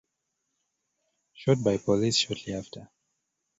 Shot by police shortly after.